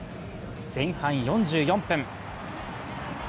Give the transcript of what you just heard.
前半４４分。